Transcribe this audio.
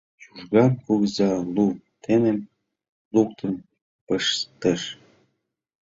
Чужган кугыза лу теҥгем луктын пыштыш.